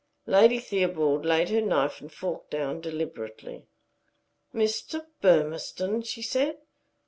Lady Theobald laid her knife and fork down deliberately. "Mr. Burmistone?" she said.